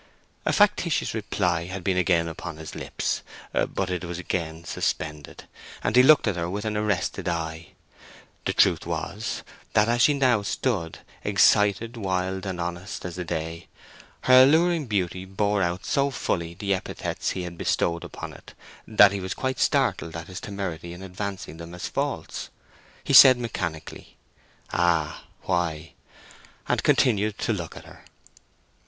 A factitious reply had been again upon his lips, but it was again suspended, and he looked at her with an arrested eye. The truth was, that as she now stood—excited, wild, and honest as the day—her alluring beauty bore out so fully the epithets he had bestowed upon it that he was quite startled at his temerity in advancing them as false. He said mechanically, "Ah, why?" and continued to look at her.